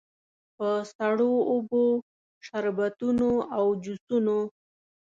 په سړو اوبو، شربتونو او جوسونو.